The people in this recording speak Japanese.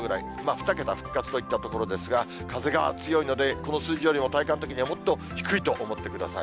２桁復活といったところですが、風が強いので、この数字よりも体感的にはもっと低いと思ってください。